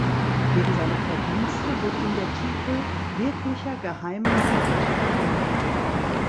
Wegen seiner Verdienste wurde ihm der Titel "Wirklicher Geheimer Rat" verliehen.